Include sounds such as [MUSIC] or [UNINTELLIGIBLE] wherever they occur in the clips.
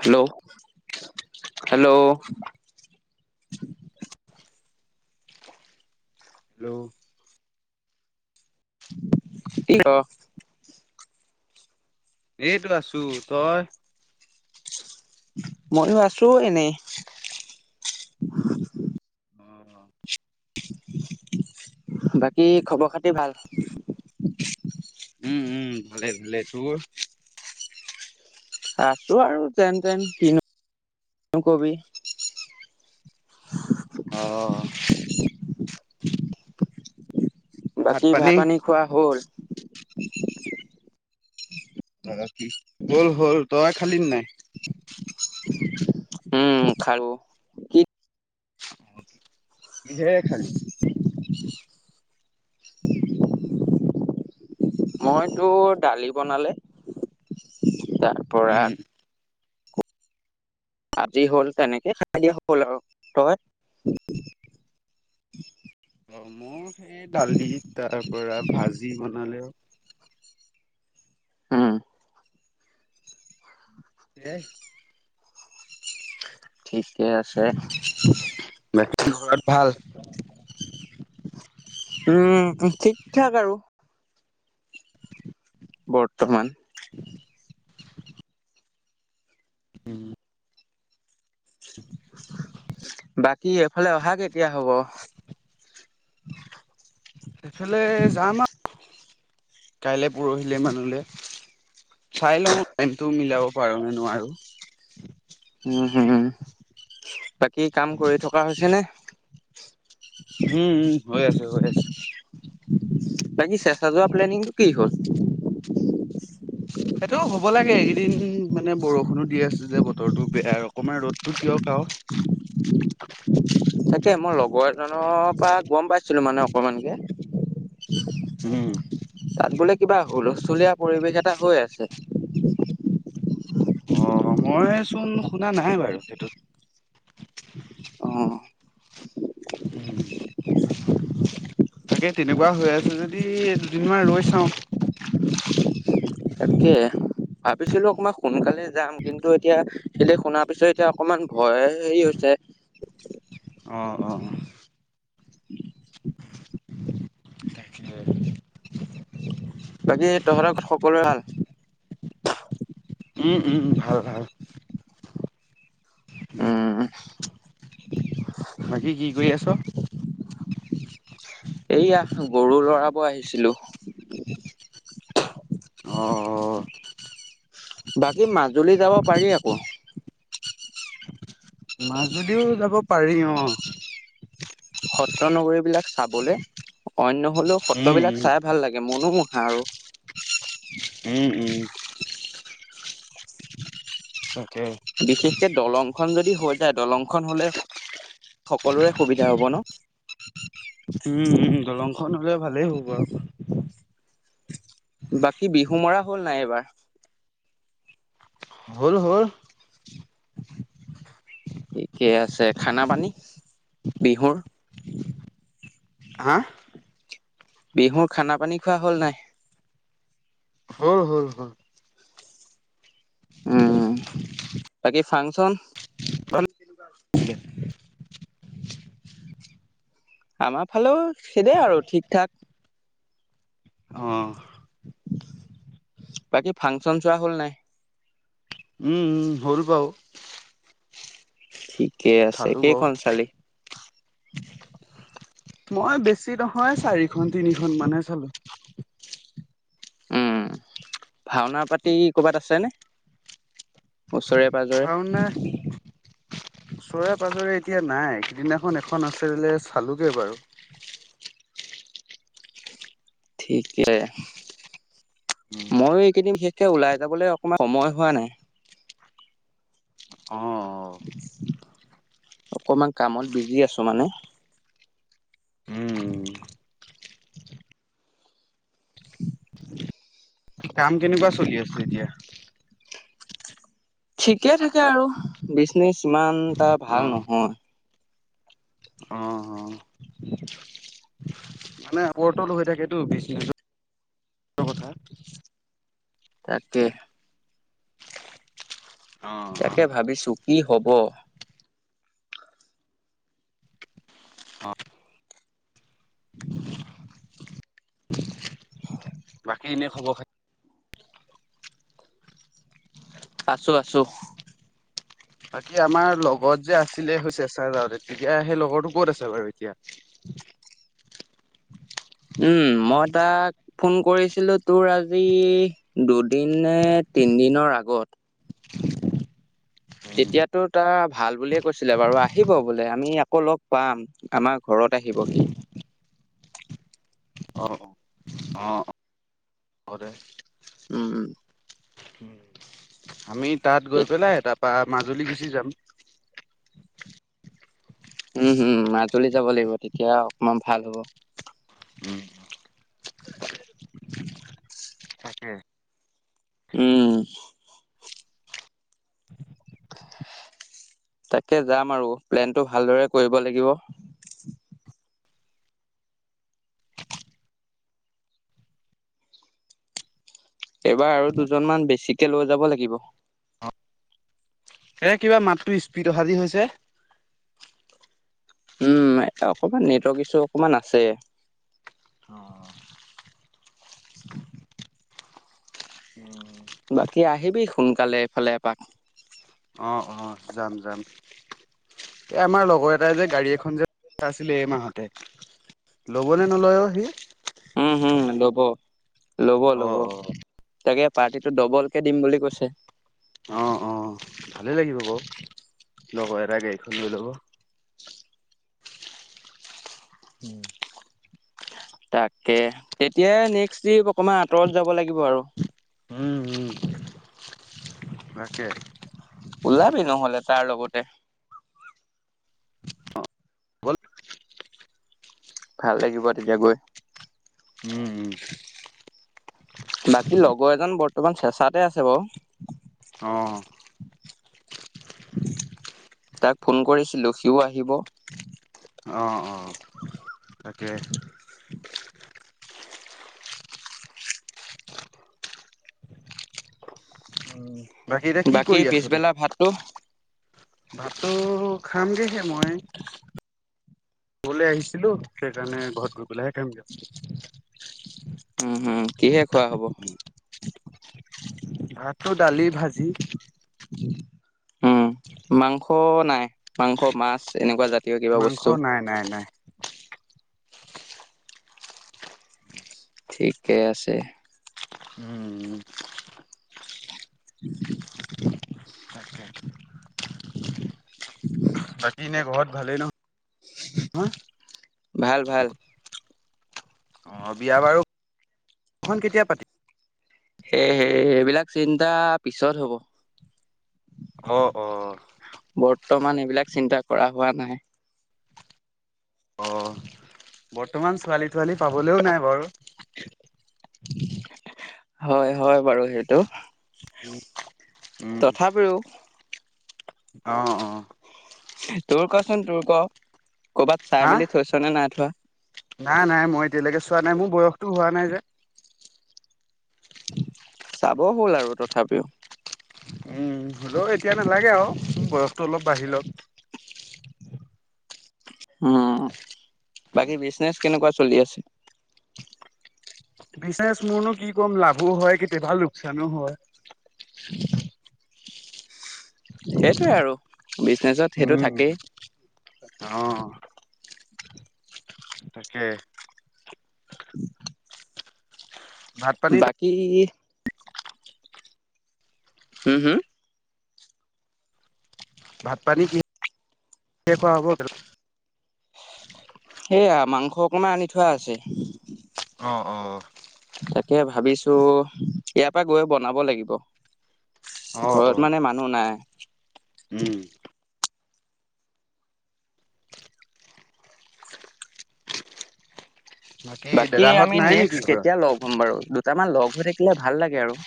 Hello hello. Hello. কি অ। এইটো আছোঁ তই? ময়ো আছোঁ এনেই। অহ। বাকী খবৰ খাতি ভাল? উম উম ভালে ভালে তোৰ। আছোঁ আৰু যেন তেন কিনো কবি। [UNINTELLIGIBLE] বাকী ভাত পানী খোৱা হ'ল। [UNINTELLIGIBLE] হ'ল হ'ল, তই খালি নাই? উম খালোঁ কি? কিহেৰে খালি? মইতো দালি বনালে। তাৰপৰা উম আজি হ'ল তেনেকে খাই দিয়া হ'ল আৰু তই? অ মোৰ, সেই ডালি তাৰ পৰা ভাজি বনালেও। হো দেহ ঠিকে আছে। বাকী ঘৰত ভাল উম! ঠিক ঠাক আৰু। বৰ্তমান উম! [UNINTELLIGIBLE] বাকী এফালে অহা কেতিয়া হ'ব? সেইফালে যাম আৰু কাইলে। পৰহিলে মানুহলে, চাই লওঁ টাইমটো মিলাও। পাৰো নে নোৱাৰোঁ। উম হম বাকী কাম কৰি থকা হৈছে নে? [INAUDIBLE] উম! উ! হৈ আছে, হৈ আছে। বাকী চেঁচা যোৱা প্লেনিংটো কি হ'ল? সেইটো হ'ব লাগে এইকেইদিন মানে, বৰষুণো দি আছে যে, বতৰটো বেয়া অকমান ৰ'দটো দিয়ক আও। তাকে মই লগৰ এজনৰ পৰা [UNINTELLIGIBLE] মানে অকণমানকে। হুম! তাত বোলে কিবা হূলস্থুলীয়া পৰিবেশ এটা হৈ আছে। অ'! মই চোন শুনা নাই বাৰু। অ'! তাকে, তেনেকুৱা হৈ আছে যদি দুদিনমান ৰৈ চাওঁ। তাকে, ভাবিছিলোঁ অকণমান সোনকালে যাম। কিন্তু, এতিয়া কেলে শুনাৰ পিছত এতিয়া অকমান ভয়! হেৰি হৈছে। অ'! অ'! তাকে বাকী তহঁতৰ সকলোৱে ভাল? উম! উম! ভাল! ভাল! উম [UNINTELLIGIBLE] বাকী কি কৰি আছ? এইয়া গৰুৰ ল'ৰাব আহিছিলোঁ। অঁ! বাকী মাজুলী যাব পাৰি আকৌ। মাজুলীও যাব পাৰি অ'! সত্ৰ নগৰীবিলাক চাবলে। অন্য হ'লেও উম সত্ৰবিলাক চাই ভাল লাগে। মনোমোহা আৰু [UNINTELLIGIBLE] উম! উম! [UNINTELLIGIBLE] বিশেষকে দলং দলং খন যদি হৈ যায়। দলংখন হ'লে সকলোৰে সুবিধা হ'ব ন'। উম, উম, দলংখন দলংখন হ'লে, ভালেই হ'ব আৰু। বাকী বিহু মৰা হ'ল নাই এইবাৰ? হ'ল! হ'ল! ঠিকে আছে। খানা পানী বিহুৰ হা বিহুৰ খানা পানী খোৱা হ'ল নাই? হ'ল হ'ল হ'ল উম! বাকী ফাংচন। আমাৰ ফালেও সেইদৰে আৰু ঠিক, ঠাক। অ বাকী ফাংচন, চোৱা হ'ল নাই উম হ'ল বাও ঠিক ক আছে চালো বাৰু কেইখন চালি [UNINTELLIGIBLE] মই বেছি নহয় চাৰিখন তিনিখন মানহে চালো উম ভাওনা পাতি কৰ'বাত আছে নে ওচৰে পজৰে ভাওনা ওচৰে পাজৰে এতিয়া নাই সিদিনাখন এখন আছে চালোগে বাৰু ঠিকে ময়ো এইকেইদিন বিশেষকে ওলাই যাবলৈ অকমান সময় হোৱা নাই। অ অকমান কামত বিজি আছো মানে। [UNINTELLIGIBLE] কাম কেনিবা চলি আছো এতিয়া ঠিকে থাকে আৰু বিজনেচ ইমান এটা অ ভাল নহয় অ মানে ওপৰতল হৈ থাকটো বিজনেছ কথা তাককে অ অ। তাকে ভাবিছো কি হ'ব হয় [UNINTELLIGIBLE] বাকী এনে খবৰ খাতি, আছো আছো বাকী আমাৰ লগত যে আছিলে চেচাৰ যওঁতে তেতিয়া সেই লগৰটো কত আছে বাৰু এতিয়া। উম মই তাক ফোন কৰিছিলো তোৰ আজি দুদিন নে তিনিদিনৰ আগত তেতিয়াতো তাৰ ভাল বুলিয়ে কৈছিলে বাৰু আহিব বোলে আমি আকৌ লগ পাম আমাৰ ঘৰত আহিব সি অ অ হ'ব দে উম উ আমি তাত গৈ তে- পেলাই তাত বা মাজুলী গুচি যাম উম হম মাজুলী যাব লাগিব তেতিয়া অকমান ভাল হ'ব, উম তাকে যাম আৰু প্লেনটো ভালদৰে কৰিব লাগিব এইবাৰ আৰু দুজনমান বেছিকে লৈ যাব লাগিব এ কিবা মাতটো স্পীড অ সাজি হৈছে। উম, অকমান নেটৱৰ্ক ইছ্যু অকমান আছে। অ [UNINTELLIGIBLE] অ বাকী আহিবি সোনকালে এইফালে এপাক অ অ যাম যাম এই আমাৰ লগৰ এটাই যে গাড়ী এখন যে আছিলে এই মাহতে ল'বনে নলয় অ' সি? উম হম ল'ব ল'ব ল'ব অ', অ'। তাকে পাৰ্টিটো ডবলকে দিম বুলি কৈছে। অহ অ ভালে লাগিব বাও লগৰ এৰা গাড়ীখন লৈ লব তাকে তেতিয়া নেক্সট অকমান আঁতৰত যাব লাগিব আৰু উম উম তাকে আৰু ওলাবি নহ'লে [INAUDIBLE] অ ভাল লাগিব তেতিয়া গৈ। উম উম বাকী লগৰ এজন বৰ্তমান চেঁচাতে আছে বাৰু অ তাক ফোন কৰিছিলো সিও আহিব অ', অ'। [UNINTELLIGIBLE] তাকে [INAUDIBLE] এতিয়া কি বাকী কৰি আছ তই? পিছবেলা ভাতটো। ভাতটো খামগেহে মই কৰলৈ আহিছিলো সেইকাৰণে ঘৰত গৈ পেলাইহে খামগে। উম হম কিহে খোৱা হব। ভাতো দালি ভাজি উম মাংস নাই মাংস মাছ এনেকুৱা জাত। মাংস নাই নাই নাই ঠিকে আছে উম তাকে, [UNINTELLIGIBLE] [UNINTELLIGIBLE] বাকী এনে ঘৰত ভালেই নহ ভাল ভাল অ বিয়া বাৰুখন কেতিয়া পাতিম? সেয়হে এইবিলাক চিন্তা পিছত হব। অ অ বৰ্তমান এইবিলাক চিন্তা কৰা হোৱা নাই। অ বৰ্তমান ছোৱালী তোৱালী পাবলৈও নাই বাৰু। হয় হয় বাৰু সেইটো উম উম তথাপিও অ অ তোৰ কচোন তোৰ ক ক'ৰবাত হা চাই মেলি থৈছ নে নাই থোৱা নাই নাই মই এতিয়ালৈকে চোৱা নাই মোৰ বয়সতটো হোৱা নাই যে। চাব হ'ল আৰু তথাপিও। উম হ'লেও এতিয়া নালাগে আৰু বয়সটো অলপ বাঢ়ি লক উম বাকী বিজনেচ কেনেকুৱা চলি আছে। বিজনেচ মোৰনো কি ক'ম লাভো হয় কেতিয়াবা লোকচানো হয়। [INAUDIBLE] সেইটোৱে আৰু বিজনেচত সেইটো উম। থাকেই। অ', তাকে [UNINTELLIGIBLE] ভাত পানী বাকী ওম ওম ভাত পানী কিহে খোৱা হ'ব? সেয়া মাংস অকণমান আনি থোৱা আছে। অঁহ অঁহ তাকে ভাবিছো ইয়াৰ পৰা গৈ বনাব লাগিব। অ', অ', ঘৰত মানে মানুহ নাই। উম বাকী দাদাহঁত আমি নাই নেক্স নেকি ঘৰত? কেতিয়া লগ হ'ম বাৰু দু তাৰমাৰ লগ হৈ থাকিলে ভাল লাগে আৰু।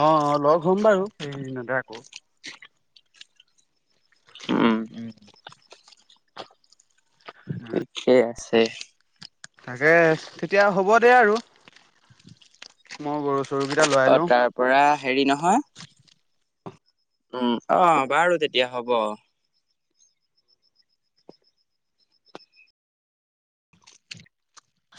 অঁ লগ হম বাৰু এই এই কেইদিন আকৌ। উম! ঠিকেই আছে। তে তাকে তেতিয়া হ'ব দে আৰু মই গৰু চৰুকেইটা লাই অ লওঁ। তাৰ পৰা হেৰি নহয় উম অঁ বাৰু তেতিয়া হ'ব।